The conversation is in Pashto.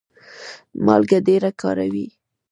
مالګه ډیره کاروئ؟